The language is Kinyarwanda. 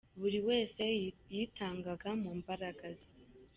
Buri wese yitangaga mu mbaraga ze.